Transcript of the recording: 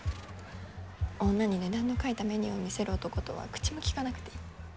女に値段の書いたメニューを見せる男とは口もきかなくていい。